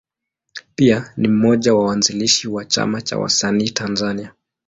Pia ni mmoja ya waanzilishi wa Chama cha Wasanii Tanzania.